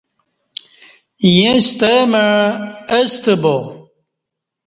ییں ستہ مع استہ با